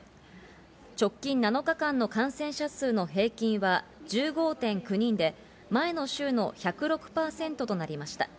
直近７日間の感染者数の平均は１５．９人で前の週の１０６％となりました。